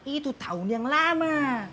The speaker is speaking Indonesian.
itu tahun yang lama